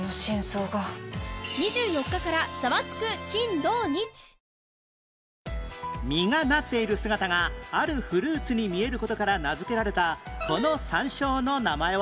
糖質ゼロ実がなっている姿があるフルーツに見える事から名付けられたこの山椒の名前は？